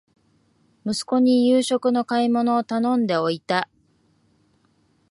息子に夕食の買い物を頼んでおいた